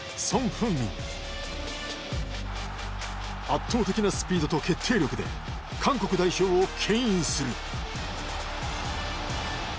圧倒的なスピードと決定力で韓国代表をけん引する。